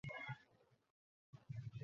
ডাইনির কিংবদন্তি সত্য।